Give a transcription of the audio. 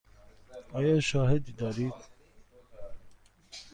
آیا شاهدی دارید؟